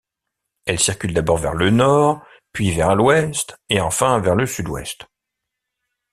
Elle circule d'abord vers le nord, puis vers l'ouest et enfin vers le sud-ouest.